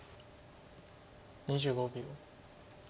２５秒。